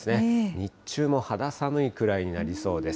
日中も肌寒いくらいになりそうです。